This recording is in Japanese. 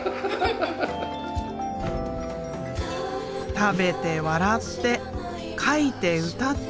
食べて笑って描いて歌って。